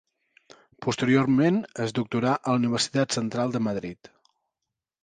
Posteriorment es doctorà a la Universitat Central de Madrid.